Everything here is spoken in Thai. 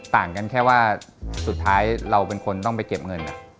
ต่างกันแค่ว่าสุดท้ายเราเป็นคนต้องไปเก็บเงิน